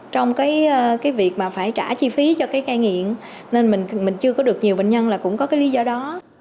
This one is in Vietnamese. trong cái việc mà phải trả chi phí cho cái cai nghiện nên mình chưa có được nhiều bệnh nhân là cũng có cái lý do đó